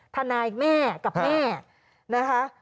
ทนายแม่กับแม่นะคะ